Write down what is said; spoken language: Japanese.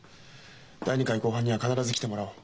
第２回公判には必ず来てもらおう。